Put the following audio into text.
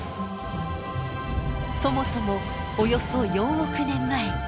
そもそもおよそ４億年前。